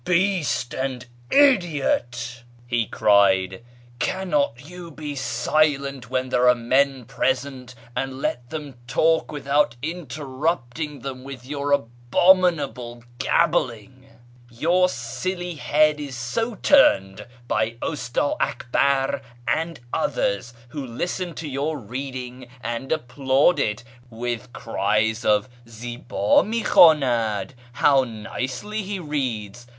" Beast and idiot !" he cried, " cannot you be silent when there are men present, and let them talk without interrupting :hem with your abominable gabbling ? Your silly head is so ;urned by Usta Akbar and others, who listen to your reading, ind applaud it with cries of ' Zihd mi hhwdnad !'(' How nicely le reads